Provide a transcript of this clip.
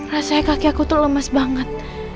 rasanya kaki aku tuh lemes banget